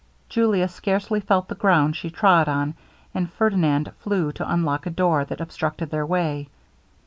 Julia scarcely felt the ground she trod on, and Ferdinand flew to unlock a door that obstructed their way.